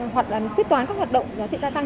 hoặc là quyết toán các hoạt động giá trị gia tăng